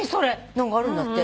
何かあるんだって。